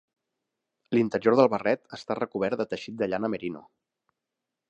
L'interior del barret està recobert de teixit de llana Merino